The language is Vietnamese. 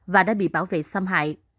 và bị xâm hại